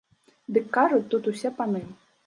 Дык кажуць, тут усе паны.